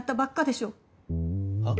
はっ？